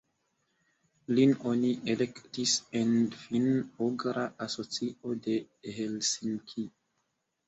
Lin oni elektis en Finn-ugra Asocio de Helsinki.